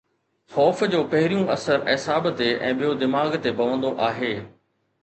خوف جو پهريون اثر اعصاب تي ۽ ٻيو دماغ تي پوندو آهي.